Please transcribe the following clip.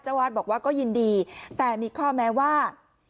วาดบอกว่าก็ยินดีแต่มีข้อแม้ว่า